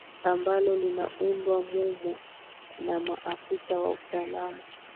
ambalo linalindwa mumo na maafisa wa usalama